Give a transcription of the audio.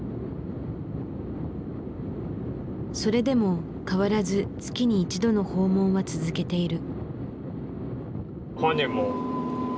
それでも変わらず月に一度の訪問は続けている。